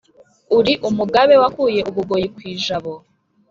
uri umugabe wakuye u bugoyi ku ijabo.